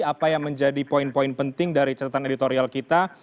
apa yang menjadi poin poin penting dari catatan editorial kita